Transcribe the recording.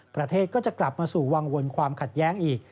ประเทศก็จะกลับมาสู่วังวลความขัดแย้งอีก